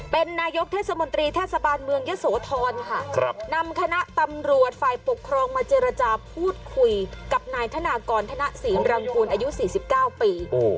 เป็นนายกเทศมนตรีเทศบาลเมืองเยอะโสทรค่ะครับนำคณะตำรวจฝ่ายปกครองมาเจรจาฟูตคุยกับนายธนากรธนสีรังกุลอายุสี่สิบเก้าปีโอ้